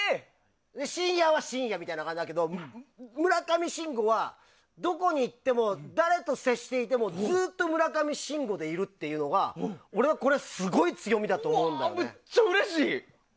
深夜は深夜みたいな感じだけど村上信五は、どこに行っても誰と接していてもずっと村上信五でいるっていうのがむっちゃうれしい！